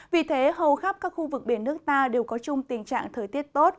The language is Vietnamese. vì thế hầu khắp các khu vực biển nước ta đều có chung tình trạng thời tiết tốt